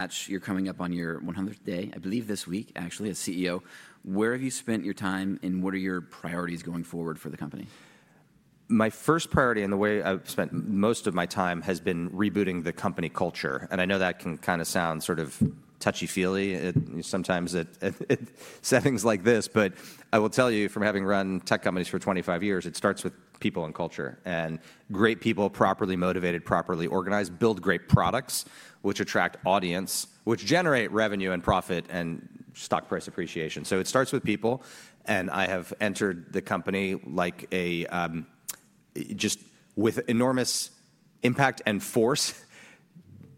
Match, you're coming up on your 100th day, I believe this week, actually, as CEO. Where have you spent your time, and what are your priorities going forward for the company? My first priority, and the way I've spent most of my time, has been rebooting the company culture. I know that can kind of sound sort of touchy-feely, sometimes, at settings like this. I will tell you, from having run tech companies for 25 years, it starts with people and culture. Great people, properly motivated, properly organized, build great products, which attract audience, which generate revenue and profit and stock price appreciation. It starts with people. I have entered the company with enormous impact and force,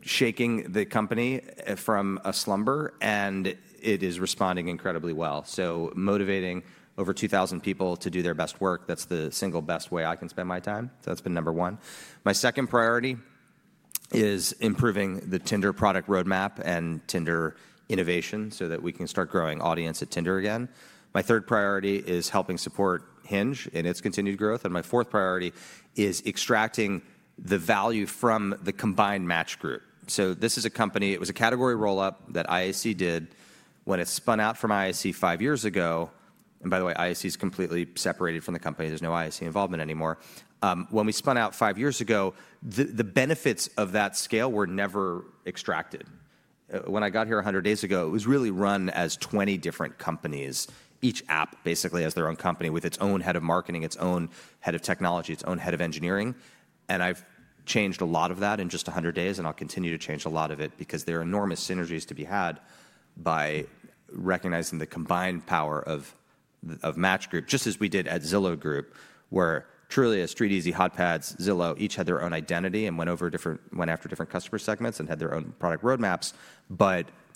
shaking the company from a slumber. It is responding incredibly well. Motivating over 2,000 people to do their best work, that's the single best way I can spend my time. That's been number one. My second priority is improving the Tinder product roadmap and Tinder innovation so that we can start growing audience at Tinder again. My third priority is helping support Hinge in its continued growth. My fourth priority is extracting the value from the combined Match Group. This is a company that was a category roll-up that IAC did. When it spun out from IAC five years ago, and by the way, IAC is completely separated from the company. There is no IAC involvement anymore. When we spun out five years ago, the benefits of that scale were never extracted. When I got here 100 days ago, it was really run as 20 different companies. Each app, basically, has their own company with its own head of marketing, its own head of technology, its own head of engineering. I have changed a lot of that in just 100 days. I'll continue to change a lot of it because there are enormous synergies to be had by recognizing the combined power of Match Group, just as we did at Zillow Group, where truly, as StreetEasy, HotPads, Zillow each had their own identity and went after different customer segments and had their own product roadmaps.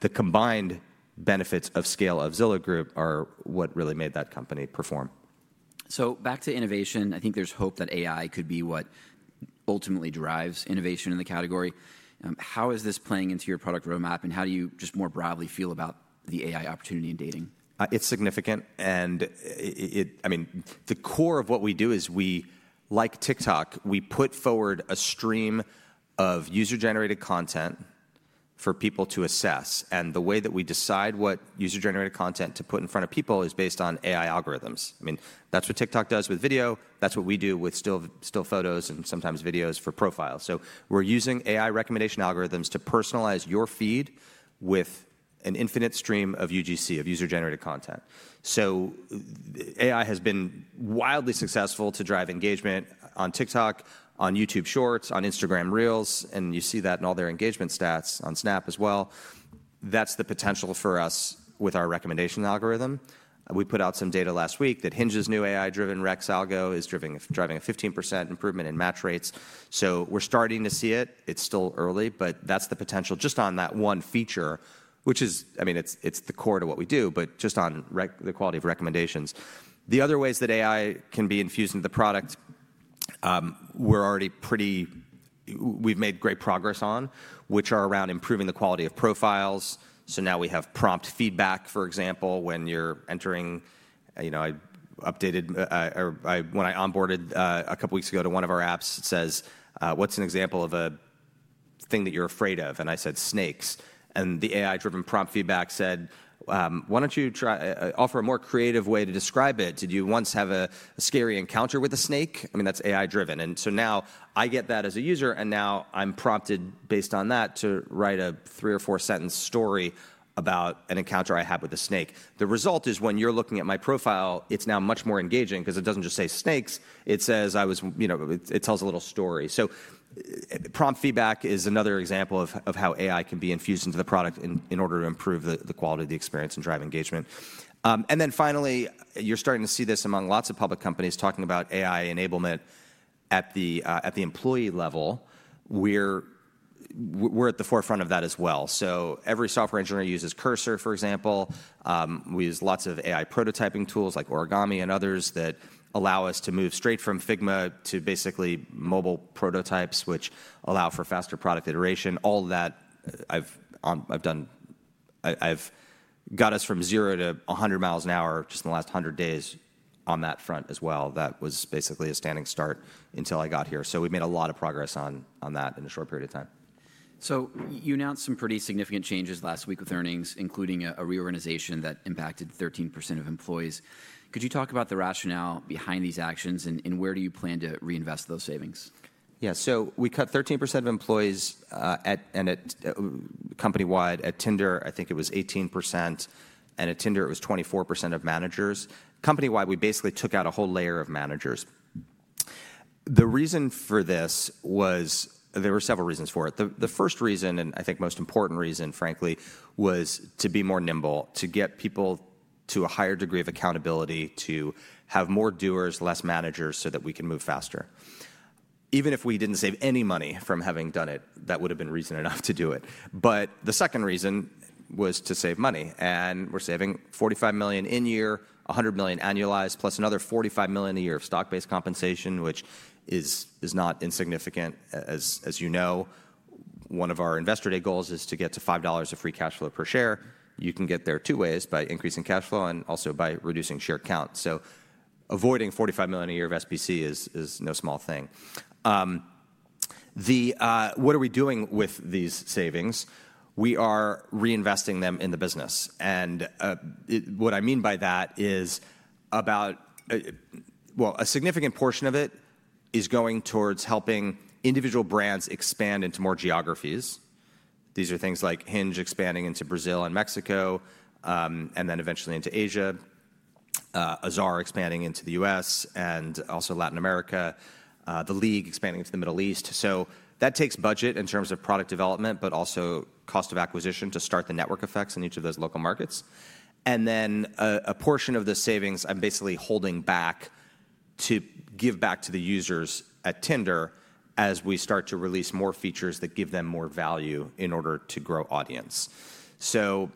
The combined benefits of scale of Zillow Group are what really made that company perform. Back to innovation. I think there's hope that AI could be what ultimately drives innovation in the category. How is this playing into your product roadmap? And how do you just more broadly feel about the AI opportunity in dating? It's significant. I mean, the core of what we do is, like TikTok, we put forward a stream of user-generated content for people to assess. The way that we decide what user-generated content to put in front of people is based on AI algorithms. I mean, that's what TikTok does with video. That's what we do with still photos and sometimes videos for profiles. We're using AI recommendation algorithms to personalize your feed with an infinite stream of UGC, of user-generated content. AI has been wildly successful to drive engagement on TikTok, on YouTube Shorts, on Instagram Reels. You see that in all their engagement stats on Snap as well. That's the potential for us with our recommendation algorithm. We put out some data last week that Hinge's new AI-driven Recs Algo is driving a 15% improvement in match rates. We're starting to see it. It's still early. That's the potential just on that one feature, which is, I mean, it's the core to what we do, but just on the quality of recommendations. The other ways that AI can be infused into the product we're already pretty—we've made great progress on, which are around improving the quality of profiles. Now we have prompt feedback, for example, when you're entering—I updated when I onboarded a couple of weeks ago to one of our apps, it says, "What's an example of a thing that you're afraid of?" I said, "Snakes." The AI-driven prompt feedback said, "Why don't you try to offer a more creative way to describe it? Did you once have a scary encounter with a snake?" I mean, that's AI-driven. Now I get that as a user. I am prompted based on that to write a three or four-sentence story about an encounter I had with a snake. The result is, when you're looking at my profile, it's now much more engaging because it doesn't just say, "Snakes." It says I was, it tells a little story. Prompt feedback is another example of how AI can be infused into the product in order to improve the quality of the experience and drive engagement. Finally, you're starting to see this among lots of public companies talking about AI enablement at the employee level. We're at the forefront of that as well. Every software engineer uses Cursor, for example. We use lots of AI prototyping tools like Origami and others that allow us to move straight from Figma to basically mobile prototypes, which allow for faster product iteration. All of that, I've done. I've got us from 0 to 100 miles an hour just in the last 100 days on that front as well. That was basically a standing start until I got here. We have made a lot of progress on that in a short period of time. You announced some pretty significant changes last week with earnings, including a reorganization that impacted 13% of employees. Could you talk about the rationale behind these actions? Where do you plan to reinvest those savings? Yeah. So we cut 13% of employees company-wide. At Tinder, I think it was 18%. And at Tinder, it was 24% of managers. Company-wide, we basically took out a whole layer of managers. The reason for this was there were several reasons for it. The first reason, and I think most important reason, frankly, was to be more nimble, to get people to a higher degree of accountability, to have more doers, less managers, so that we can move faster. Even if we did not save any money from having done it, that would have been reason enough to do it. The second reason was to save money. We are saving $45 million in year, $100 million annualized, plus another $45 million a year of stock-based compensation, which is not insignificant. As you know, one of our investor day goals is to get to $5 of free cash flow per share. You can get there two ways: by increasing cash flow and also by reducing share count. Avoiding $45 million a year of SPC is no small thing. What are we doing with these savings? We are reinvesting them in the business. What I mean by that is about, well, a significant portion of it is going towards helping individual brands expand into more geographies. These are things like Hinge expanding into Brazil and Mexico, and then eventually into Asia, Azar expanding into the US, and also Latin America, The League expanding into the Middle East. That takes budget in terms of product development, but also cost of acquisition to start the network effects in each of those local markets. A portion of the savings I'm basically holding back to give back to the users at Tinder as we start to release more features that give them more value in order to grow audience. That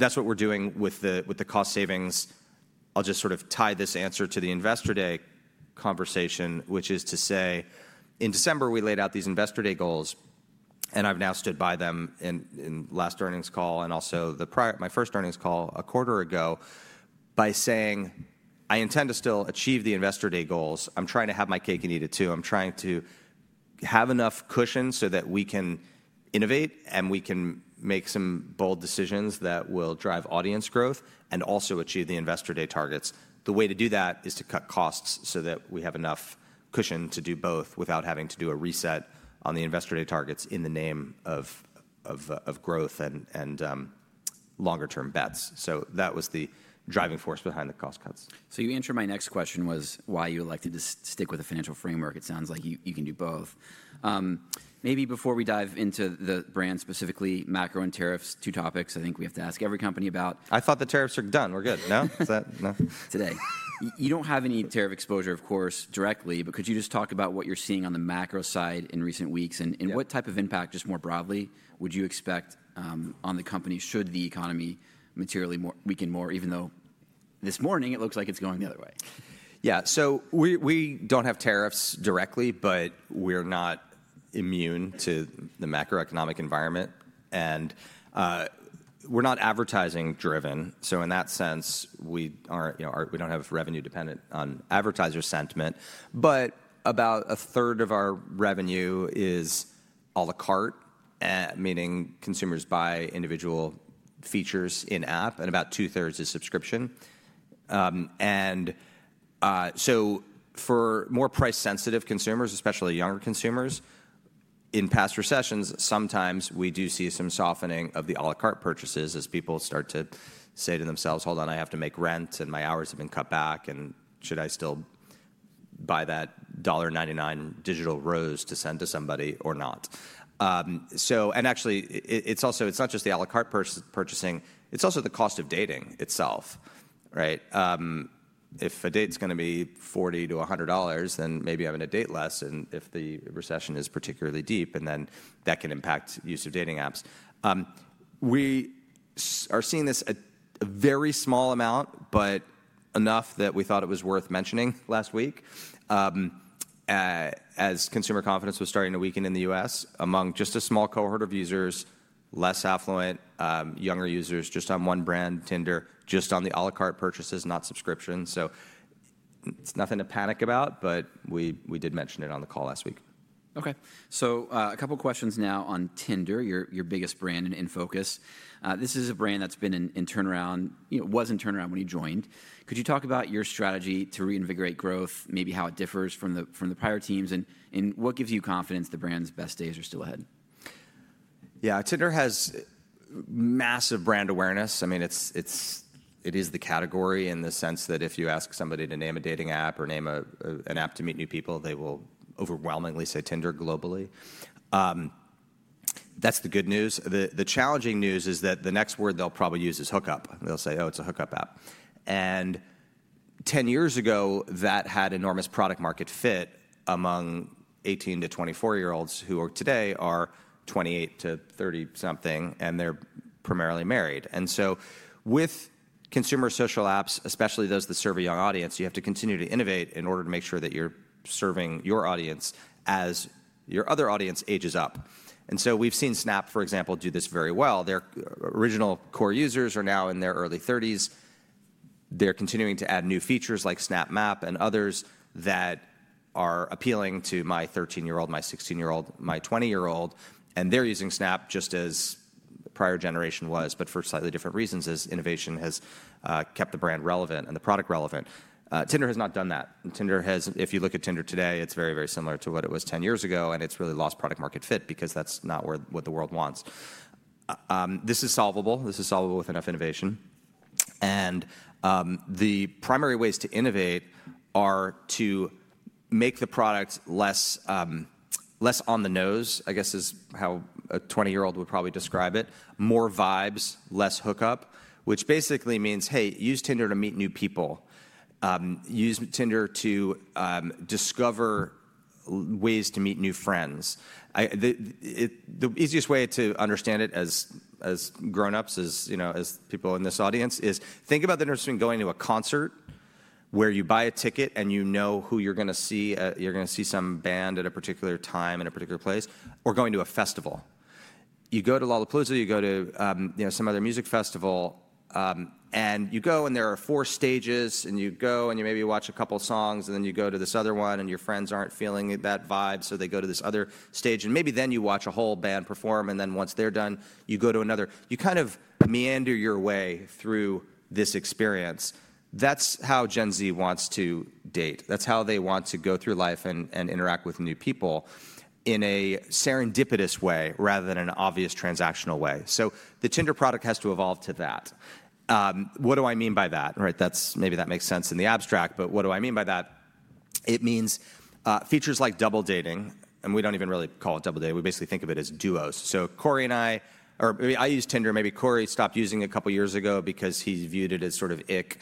is what we're doing with the cost savings. I'll just sort of tie this answer to the investor day conversation, which is to say, in December, we laid out these investor day goals. I've now stood by them in last earnings call and also my first earnings call a quarter ago by saying, I intend to still achieve the investor day goals. I'm trying to have my cake and eat it too. I'm trying to have enough cushion so that we can innovate and we can make some bold decisions that will drive audience growth and also achieve the investor day targets. The way to do that is to cut costs so that we have enough cushion to do both without having to do a reset on the investor day targets in the name of growth and longer-term bets. That was the driving force behind the cost cuts. You answered my next question was why you elected to stick with the financial framework. It sounds like you can do both. Maybe before we dive into the brand specifically, macro and tariffs, two topics I think we have to ask every company about. I thought the tariffs were done. We're good, no? Today. You do not have any tariff exposure, of course, directly. Could you just talk about what you are seeing on the macro side in recent weeks? What type of impact, just more broadly, would you expect on the company should the economy materially weaken more, even though this morning it looks like it is going the other way? Yeah. We do not have tariffs directly. We are not immune to the macroeconomic environment. We are not advertising-driven. In that sense, we do not have revenue dependent on advertiser sentiment. About a third of our revenue is à la carte, meaning consumers buy individual features in-app, and about two-thirds is subscription. For more price-sensitive consumers, especially younger consumers, in past recessions, sometimes we do see some softening of the à la carte purchases as people start to say to themselves, hold on, I have to make rent, and my hours have been cut back. Should I still buy that $1.99 digital rose to send to somebody or not? Actually, it is not just the à la carte purchasing. It is also the cost of dating itself. If a date is going to be $40-$100, then maybe I'm going to date less if the recession is particularly deep. That can impact the use of dating apps. We are seeing this a very small amount, but enough that we thought it was worth mentioning last week as consumer confidence was starting to weaken in the U.S. among just a small cohort of users, less affluent, younger users just on one brand, Tinder, just on the à la carte purchases, not subscription. It is nothing to panic about. We did mention it on the call last week. OK. A couple of questions now on Tinder, your biggest brand and in focus. This is a brand that's been in turnaround, was in turnaround when you joined. Could you talk about your strategy to reinvigorate growth, maybe how it differs from the prior teams? What gives you confidence the brand's best days are still ahead? Yeah. Tinder has massive brand awareness. I mean, it is the category in the sense that if you ask somebody to name a dating app or name an app to meet new people, they will overwhelmingly say Tinder globally. That's the good news. The challenging news is that the next word they'll probably use is hookup. They'll say, oh, it's a hookup app. And 10 years ago, that had enormous product-market fit among 18 to 24-year-olds who today are 28 to 30-something. And they're primarily married. And so with consumer social apps, especially those that serve a young audience, you have to continue to innovate in order to make sure that you're serving your audience as your other audience ages up. And so we've seen Snap, for example, do this very well. Their original core users are now in their early 30s. They're continuing to add new features like Snap Map and others that are appealing to my 13-year-old, my 16-year-old, my 20-year-old. They're using Snap just as the prior generation was, but for slightly different reasons as innovation has kept the brand relevant and the product relevant. Tinder has not done that. If you look at Tinder today, it's very, very similar to what it was 10 years ago. It's really lost product-market fit because that's not what the world wants. This is solvable. This is solvable with enough innovation. The primary ways to innovate are to make the product less on the nose, I guess is how a 20-year-old would probably describe it, more vibes, less hookup, which basically means, hey, use Tinder to meet new people. Use Tinder to discover ways to meet new friends. The easiest way to understand it as grown-ups, as people in this audience, is think about the difference between going to a concert where you buy a ticket and you know who you're going to see, some band at a particular time in a particular place, or going to a festival. You go to Lollapalooza. You go to some other music festival. You go, and there are four stages. You go, and you maybe watch a couple of songs. You go to this other one. Your friends aren't feeling that vibe, so they go to this other stage. Maybe then you watch a whole band perform. Once they're done, you go to another. You kind of meander your way through this experience. That's how Gen Z wants to date. That's how they want to go through life and interact with new people in a serendipitous way rather than an obvious transactional way. The Tinder product has to evolve to that. What do I mean by that? Maybe that makes sense in the abstract. What do I mean by that? It means features like double dating. We do not even really call it double dating. We basically think of it as duos. Cory and I use Tinder. Maybe Cory stopped using it a couple of years ago because he viewed it as sort of ick,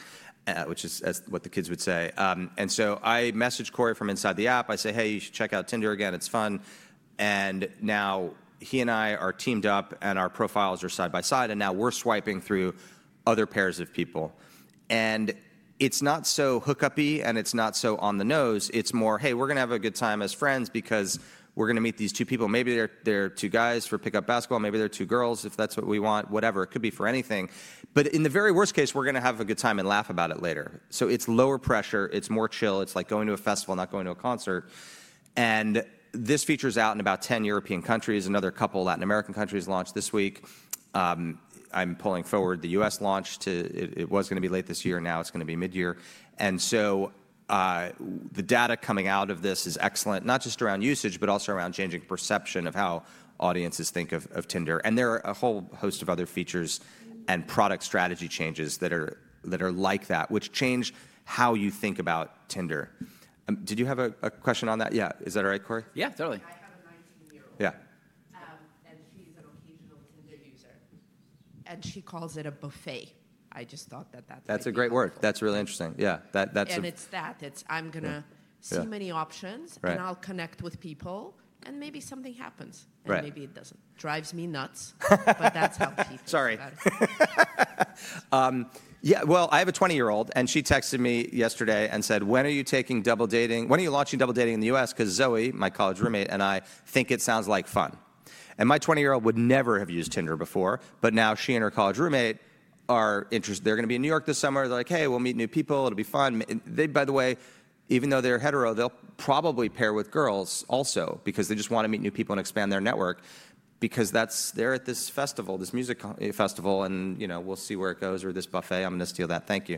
which is what the kids would say. I message Cory from inside the app. I say, hey, you should check out Tinder again. It's fun. Now he and I are teamed up. Our profiles are side by side. Now we're swiping through other pairs of people. It's not so hookup-y. It's not so on the nose. It's more, hey, we're going to have a good time as friends because we're going to meet these two people. Maybe they're two guys for pickup basketball. Maybe they're two girls if that's what we want, whatever. It could be for anything. In the very worst case, we're going to have a good time and laugh about it later. It's lower pressure. It's more chill. It's like going to a festival, not going to a concert. This feature is out in about 10 European countries. Another couple of Latin American countries launched this week. I'm pulling forward the U.S. launch. It was going to be late this year. Now it's going to be mid-year. The data coming out of this is excellent, not just around usage, but also around changing perception of how audiences think of Tinder. There are a whole host of other features and product strategy changes that are like that, which change how you think about Tinder. Did you have a question on that? Yeah. Is that right, Cory? Yeah, totally. I have a 19-year-old. Yeah. She’s an occasional Tinder user. She calls it a buffet. I just thought that that's a great word. That's a great word. That's really interesting. Yeah. It's that. I'm going to see many options. I'll connect with people. Maybe something happens. Maybe it doesn't. Drives me nuts. That's how people. Sorry. Yeah. I have a 20-year-old. She texted me yesterday and said, when are you taking double dating? When are you launching double dating in the U.S.? Because Zoe, my college roommate, and I think it sounds like fun. My 20-year-old would never have used Tinder before. Now she and her college roommate are interested. They're going to be in New York this summer. They're like, hey, we'll meet new people. It'll be fun. They, by the way, even though they're hetero, they'll probably pair with girls also because they just want to meet new people and expand their network because they're at this festival, this music festival. We'll see where it goes or this buffet. I'm going to steal that. Thank you.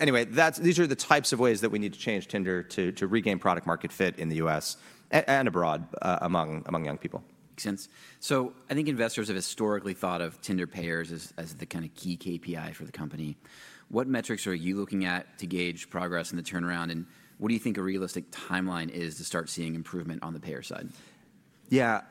Anyway, these are the types of ways that we need to change Tinder to regain product-market fit in the U.S. and abroad among young people. Makes sense. I think investors have historically thought of Tinder payers as the kind of key KPI for the company. What metrics are you looking at to gauge progress in the turnaround? What do you think a realistic timeline is to start seeing improvement on the payer side? Yeah.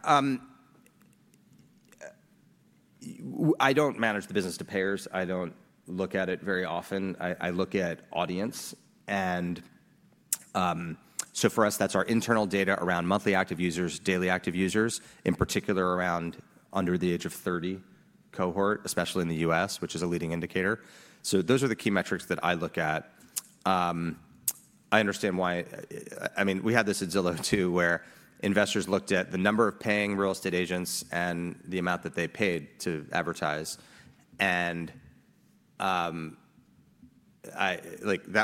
I do not manage the business to payers. I do not look at it very often. I look at audience. For us, that is our internal data around monthly active users, daily active users, in particular around under the age of 30 cohort, especially in the U.S., which is a leading indicator. Those are the key metrics that I look at. I understand why. I mean, we had this at Zillow, too, where investors looked at the number of paying real estate agents and the amount that they paid to advertise. That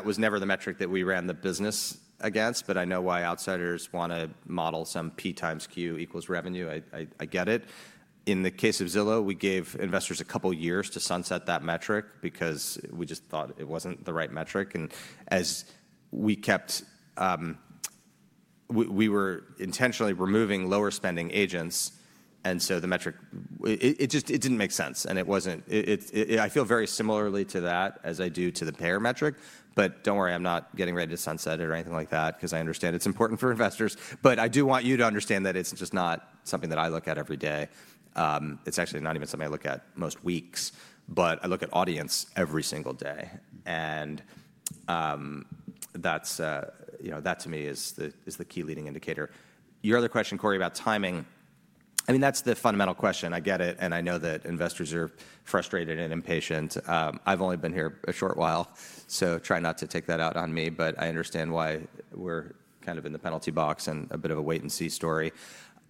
was never the metric that we ran the business against. I know why outsiders want to model some P times Q equals revenue. I get it. In the case of Zillow, we gave investors a couple of years to sunset that metric because we just thought it was not the right metric. As we kept, we were intentionally removing lower spending agents. The metric, it did not make sense. I feel very similarly to that as I do to the payer metric. Do not worry. I am not getting ready to sunset it or anything like that because I understand it is important for investors. I do want you to understand that it is just not something that I look at every day. It is actually not even something I look at most weeks. I look at audience every single day. That to me is the key leading indicator. Your other question, Cory, about timing, I mean, that is the fundamental question. I get it. I know that investors are frustrated and impatient. I have only been here a short while. Try not to take that out on me. I understand why we're kind of in the penalty box and a bit of a wait-and-see story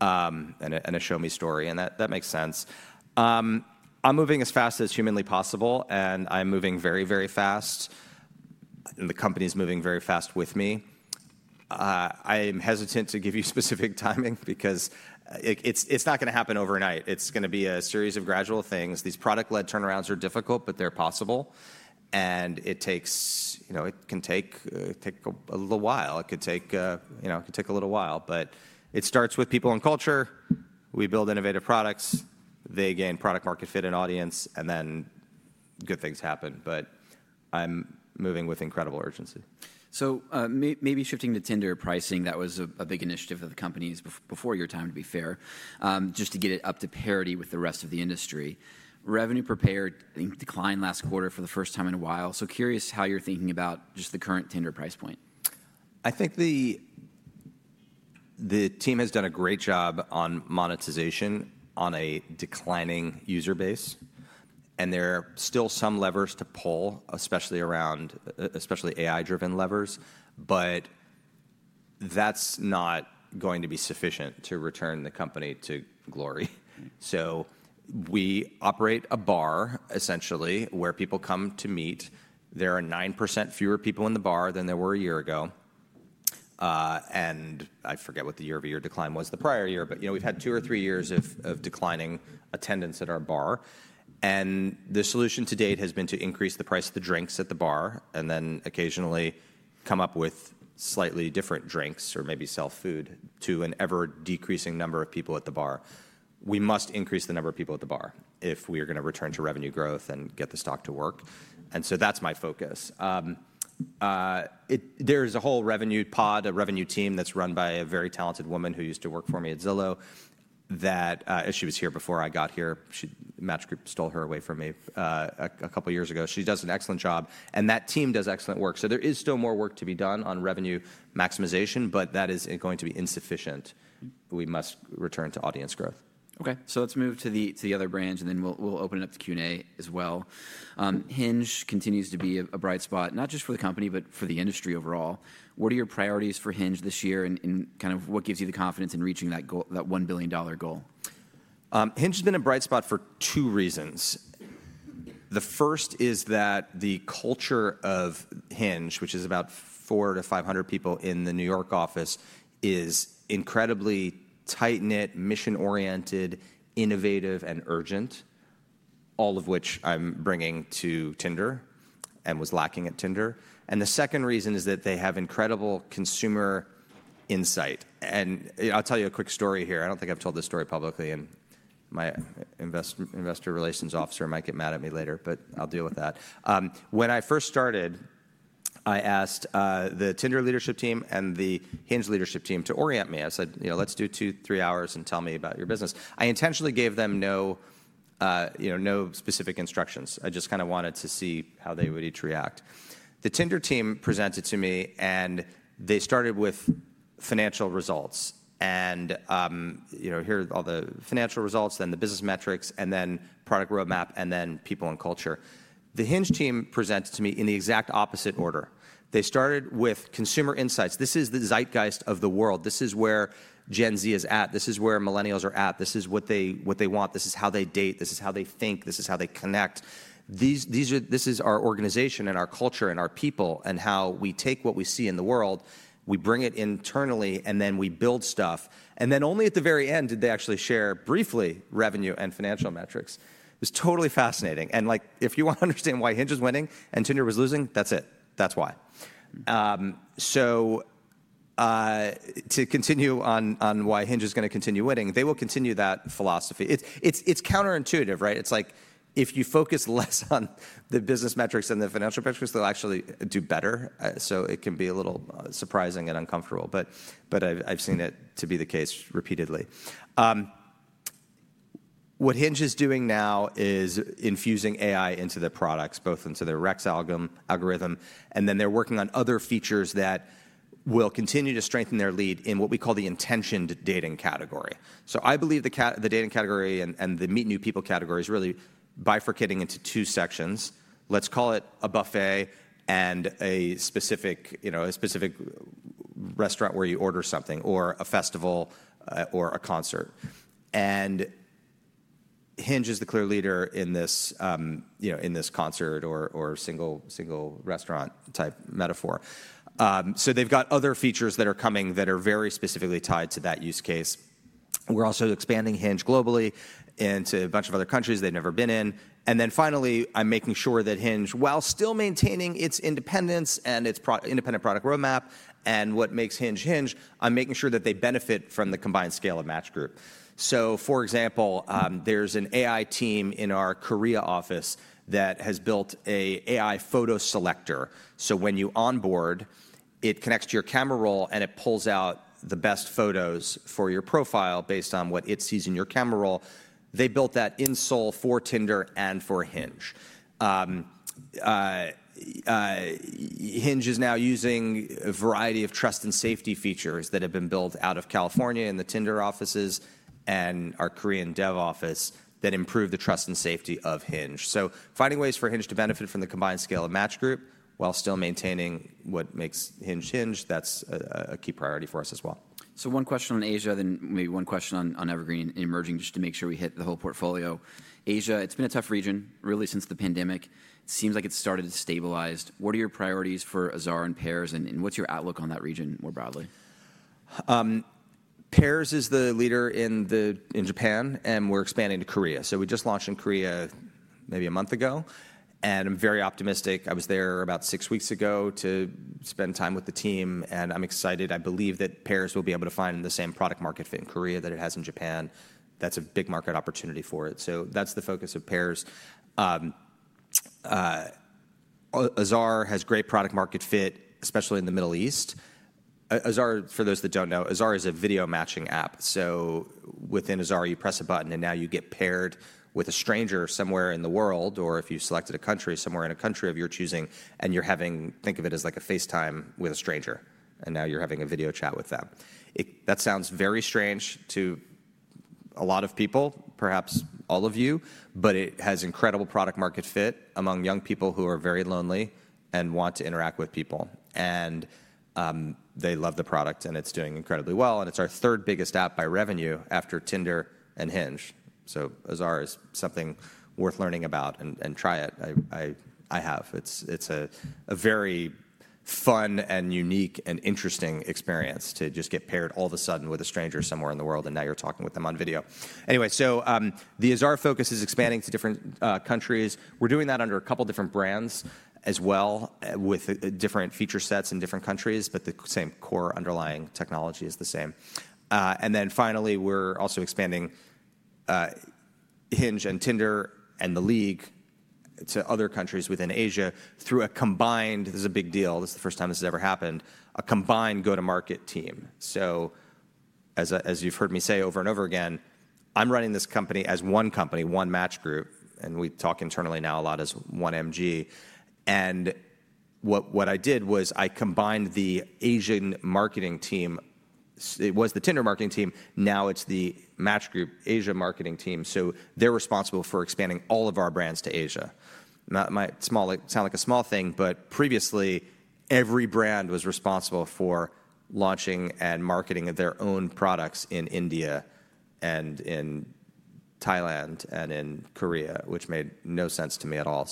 and a show-me story. That makes sense. I'm moving as fast as humanly possible. I'm moving very, very fast. The company is moving very fast with me. I am hesitant to give you specific timing because it's not going to happen overnight. It's going to be a series of gradual things. These product-led turnarounds are difficult. They're possible. It can take a little while. It could take a little while. It starts with people and culture. We build innovative products. They gain product-market fit and audience. Then good things happen. I'm moving with incredible urgency. Maybe shifting to Tinder pricing. That was a big initiative of the company before your time, to be fair, just to get it up to parity with the rest of the industry. Revenue per payer declined last quarter for the first time in a while. Curious how you're thinking about just the current Tinder price point. I think the team has done a great job on monetization on a declining user base. There are still some levers to pull, especially AI-driven levers. That is not going to be sufficient to return the company to glory. We operate a bar, essentially, where people come to meet. There are 9% fewer people in the bar than there were a year ago. I forget what the year-over-year decline was the prior year. We have had two or three years of declining attendance at our bar. The solution to date has been to increase the price of the drinks at the bar and then occasionally come up with slightly different drinks or maybe sell food to an ever-decreasing number of people at the bar. We must increase the number of people at the bar if we are going to return to revenue growth and get the stock to work. That is my focus. There is a whole revenue pod, a revenue team that is run by a very talented woman who used to work for me at Zillow. She was here before I got here. Match Group stole her away from me a couple of years ago. She does an excellent job. That team does excellent work. There is still more work to be done on revenue maximization. That is going to be insufficient. We must return to audience growth. OK. Let's move to the other brands. Then we'll open it up to Q&A as well. Hinge continues to be a bright spot, not just for the company, but for the industry overall. What are your priorities for Hinge this year? Kind of what gives you the confidence in reaching that $1 billion goal? Hinge has been a bright spot for two reasons. The first is that the culture of Hinge, which is about 400 to 500 people in the New York office, is incredibly tight-knit, mission-oriented, innovative, and urgent, all of which I'm bringing to Tinder and was lacking at Tinder. The second reason is that they have incredible consumer insight. I'll tell you a quick story here. I don't think I've told this story publicly. My investor relations officer might get mad at me later. I'll deal with that. When I first started, I asked the Tinder leadership team and the Hinge leadership team to orient me. I said, let's do two, three hours and tell me about your business. I intentionally gave them no specific instructions. I just kind of wanted to see how they would each react. The Tinder team presented to me. They started with financial results. Here are all the financial results, then the business metrics, then product roadmap, then people and culture. The Hinge team presented to me in the exact opposite order. They started with consumer insights. This is the zeitgeist of the world. This is where Gen Z is at. This is where millennials are at. This is what they want. This is how they date. This is how they think. This is how they connect. This is our organization and our culture and our people and how we take what we see in the world. We bring it internally. Then we build stuff. Only at the very end did they actually share briefly revenue and financial metrics. It was totally fascinating. If you want to understand why Hinge is winning and Tinder was losing, that is it. That is why. To continue on why Hinge is going to continue winning, they will continue that philosophy. It's counterintuitive, right? It's like if you focus less on the business metrics and the financial metrics, they'll actually do better. It can be a little surprising and uncomfortable. I've seen it to be the case repeatedly. What Hinge is doing now is infusing AI into their products, both into their Recs algorithm. They're working on other features that will continue to strengthen their lead in what we call the intentioned dating category. I believe the dating category and the meet new people category is really bifurcating into two sections. Let's call it a buffet and a specific restaurant where you order something or a festival or a concert. Hinge is the clear leader in this concert or single restaurant type metaphor. They've got other features that are coming that are very specifically tied to that use case. We're also expanding Hinge globally into a bunch of other countries they've never been in. Finally, I'm making sure that Hinge, while still maintaining its independence and its independent product roadmap and what makes Hinge Hinge, I'm making sure that they benefit from the combined scale of Match Group. For example, there's an AI team in our Korea office that has built an AI photo selector. When you onboard, it connects to your camera roll, and it pulls out the best photos for your profile based on what it sees in your camera roll. They built that in Seoul for Tinder and for Hinge. Hinge is now using a variety of trust and safety features that have been built out of California in the Tinder offices and our Korean dev office that improve the trust and safety of Hinge. Finding ways for Hinge to benefit from the combined scale of Match Group while still maintaining what makes Hinge Hinge, that's a key priority for us as well. One question on Asia, then maybe one question on Evergreen emerging just to make sure we hit the whole portfolio. Asia, it's been a tough region really since the pandemic. It seems like it started to stabilize. What are your priorities for Azar and Pairs, and what's your outlook on that region more broadly? Pairs is the leader in Japan. We are expanding to Korea. We just launched in Korea maybe a month ago. I am very optimistic. I was there about six weeks ago to spend time with the team. I am excited. I believe that Pairs will be able to find the same product-market fit in Korea that it has in Japan. That is a big market opportunity for it. That is the focus of Pairs. Azar has great product-market fit, especially in the Middle East. Azar, for those that do not know, Azar is a video matching app. Within Azar, you press a button. Now you get paired with a stranger somewhere in the world. Or if you selected a country, somewhere in a country of your choosing, and you are having—think of it as like a FaceTime with a stranger. Now you are having a video chat with them. That sounds very strange to a lot of people, perhaps all of you. It has incredible product-market fit among young people who are very lonely and want to interact with people. They love the product. It is doing incredibly well. It is our third biggest app by revenue after Tinder and Hinge. Azar is something worth learning about. Try it. I have. It is a very fun and unique and interesting experience to just get paired all of a sudden with a stranger somewhere in the world. Now you are talking with them on video. Anyway, the Azar focus is expanding to different countries. We are doing that under a couple of different brands as well with different feature sets in different countries. The same core underlying technology is the same. Finally, we're also expanding Hinge and Tinder and The League to other countries within Asia through a combined—this is a big deal. This is the first time this has ever happened—a combined go-to-market team. As you've heard me say over and over again, I'm running this company as one company, one Match Group. We talk internally now a lot as one MG. What I did was I combined the Asian marketing team. It was the Tinder marketing team. Now it's the Match Group Asia marketing team. They're responsible for expanding all of our brands to Asia. It might sound like a small thing. Previously, every brand was responsible for launching and marketing their own products in India and in Thailand and in Korea, which made no sense to me at all.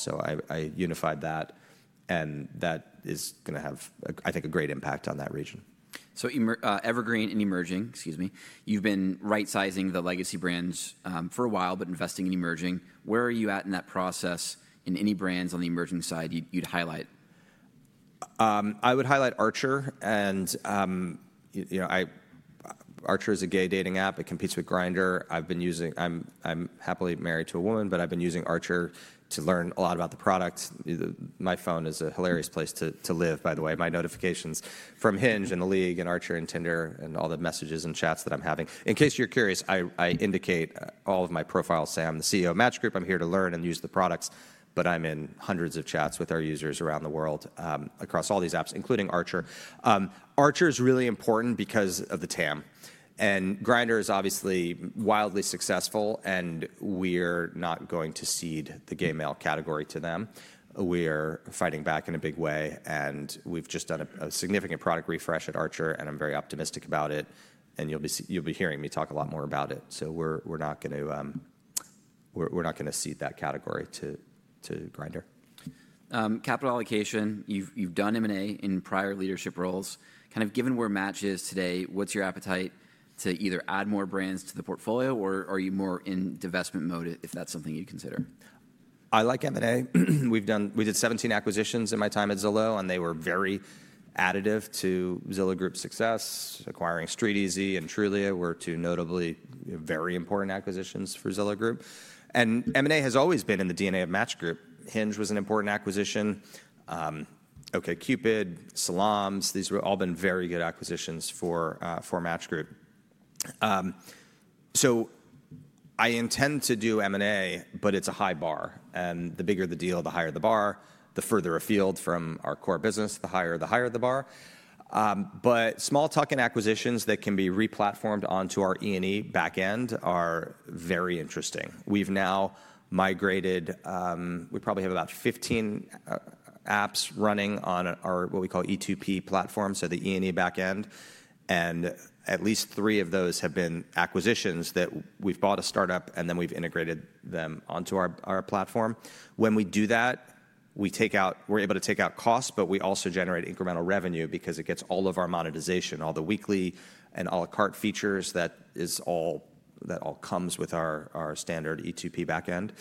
I unified that. That is going to have, I think, a great impact on that region. Evergreen and Emerging, excuse me, you've been right-sizing the legacy brands for a while but investing in Emerging. Where are you at in that process? Any brands on the emerging side you'd highlight? I would highlight Archer. And Archer is a gay dating app. It competes with Grindr. I'm happily married to a woman. But I've been using Archer to learn a lot about the product. My phone is a hilarious place to live, by the way, my notifications from Hinge and The League and Archer and Tinder and all the messages and chats that I'm having. In case you're curious, I indicate all of my profiles. Sam, the CEO of Match Group, I'm here to learn and use the products. But I'm in hundreds of chats with our users around the world across all these apps, including Archer. Archer is really important because of the TAM. And Grindr is obviously wildly successful. And we're not going to cede the gay male category to them. We are fighting back in a big way. And we've just done a significant product refresh at Archer. I'm very optimistic about it. You'll be hearing me talk a lot more about it. We're not going to cede that category to Grindr. Capital allocation, you've done M&A in prior leadership roles. Kind of given where Match is today, what's your appetite to either add more brands to the portfolio? Or are you more in divestment mode if that's something you'd consider? I like M&A. We did 17 acquisitions in my time at Zillow. They were very additive to Zillow Group's success. Acquiring StreetEasy and Trulia were two notably very important acquisitions for Zillow Group. M&A has always been in the DNA of Match Group. Hinge was an important acquisition. OKCupid, Salams, these have all been very good acquisitions for Match Group. I intend to do M&A. It is a high bar. The bigger the deal, the higher the bar. The further afield from our core business, the higher the bar. Small-tucking acquisitions that can be re-platformed onto our E&E backend are very interesting. We've now migrated—we probably have about 15 apps running on our what we call E2P platform, so the E&E backend. At least three of those have been acquisitions that we've bought a startup. Then we've integrated them onto our platform. When we do that, we're able to take out costs. We also generate incremental revenue because it gets all of our monetization, all the weekly and à la carte features that all come with our standard E2P backend.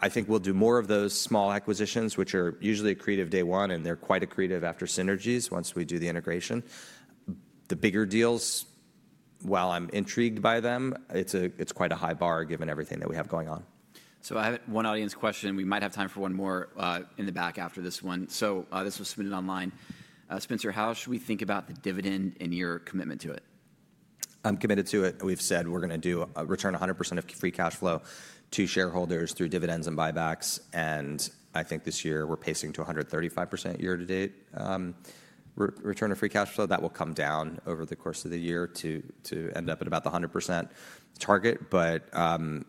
I think we'll do more of those small acquisitions, which are usually accretive day one. They're quite accretive after synergies once we do the integration. The bigger deals, while I'm intrigued by them, it's quite a high bar given everything that we have going on. I have one audience question. We might have time for one more in the back after this one. This was submitted online. Spencer, how should we think about the dividend and your commitment to it? I'm committed to it. We've said we're going to return 100% of free cash flow to shareholders through dividends and buybacks. I think this year we're pacing to 135% year-to-date return of free cash flow. That will come down over the course of the year to end up at about the 100% target. I'm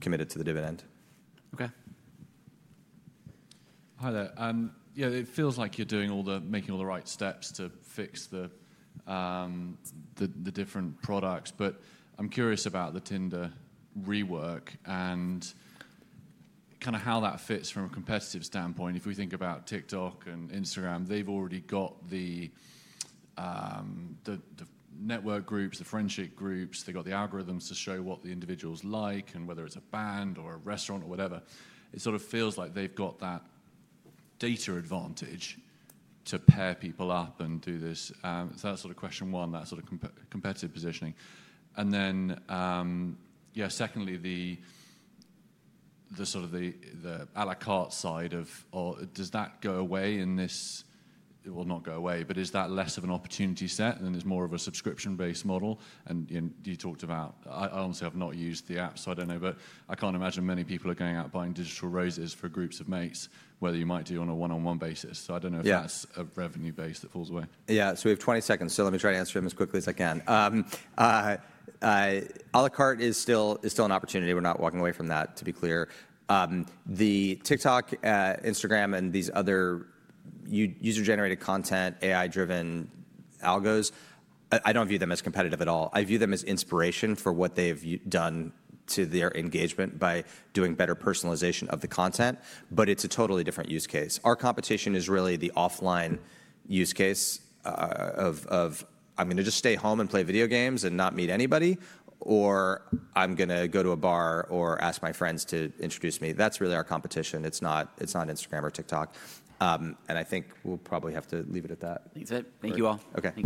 committed to the dividend. OK. Hi, there. It feels like you're making all the right steps to fix the different products. I'm curious about the Tinder rework and kind of how that fits from a competitive standpoint. If we think about TikTok and Instagram, they've already got the network groups, the friendship groups. They've got the algorithms to show what the individuals like and whether it's a band or a restaurant or whatever. It sort of feels like they've got that data advantage to pair people up and do this. That's sort of question one, that sort of competitive positioning. Secondly, sort of the à la carte side of does that go away in this—not go away. Is that less of an opportunity set? Is it more of a subscription-based model? You talked about—I honestly have not used the app. I don't know. I can't imagine many people are going out buying digital roses for groups of mates, where you might do on a one-on-one basis. I don't know if that's a revenue base that falls away. Yeah. We have 20 seconds, so let me try to answer them as quickly as I can. À la carte is still an opportunity. We're not walking away from that, to be clear. The TikTok, Instagram, and these other user-generated content, AI-driven algos, I don't view them as competitive at all. I view them as inspiration for what they've done to their engagement by doing better personalization of the content. It is a totally different use case. Our competition is really the offline use case of I'm going to just stay home and play video games and not meet anybody. Or I'm going to go to a bar or ask my friends to introduce me. That's really our competition. It's not Instagram or TikTok. I think we'll probably have to leave it at that. That's it. Thank you all. OK.